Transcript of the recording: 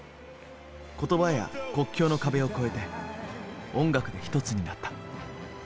言葉や国境の壁を超えて音楽で一つになった。